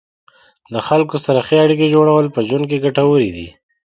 د خلکو سره ښې اړیکې جوړول په ژوند کې ګټورې دي.